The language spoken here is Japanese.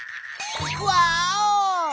ワーオ！